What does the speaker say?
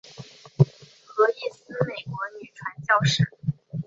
何义思美国女传教士。